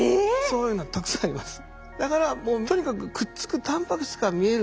そういうのたくさんあります。